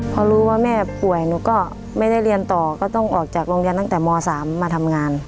พอรู้ว่าแม่ป่วยหนูก็ไม่ได้เรียนต่อก็ต้องออกจากโรงเรียนตั้งแต่ม๓มาทำงาน